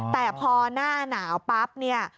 แต่พอหน้าหนาวปั๊บเนี่ย